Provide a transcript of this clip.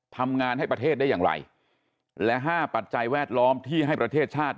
ทำงานให้ประเทศได้อย่างไรและห้าปัจจัยแวดล้อมที่ให้ประเทศชาติ